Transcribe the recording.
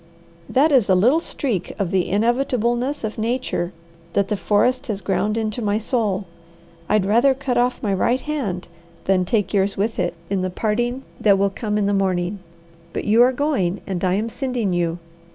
"That is a little streak of the inevitableness of nature that the forest has ground into my soul. I'd rather cut off my right hand than take yours with it, in the parting that will come in the morning; but you are going, and I am sending you.